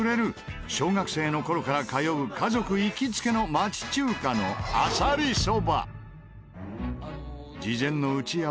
小学生の頃から通う家族行きつけの町中華のあさりそば。